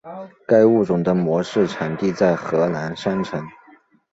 该物种的模式产地在河南商城。